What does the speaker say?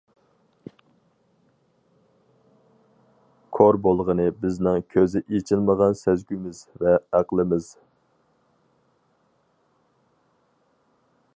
كور بولغىنى بىزنىڭ كۆزى ئېچىلمىغان سەزگۈمىز ۋە ئەقلىمىز.